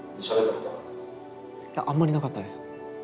いやあんまりなかったです。